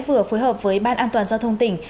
vừa phối hợp với ban an toàn giao thông tỉnh